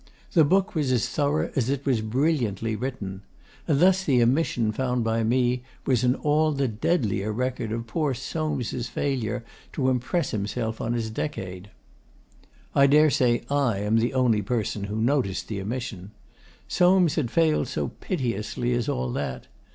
The book was as thorough as it was brilliantly written. And thus the omission found by me was an all the deadlier record of poor Soames' failure to impress himself on his decade. I daresay I am the only person who noticed the omission. Soames had failed so piteously as all that!